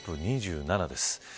ＣＯＰ２７です。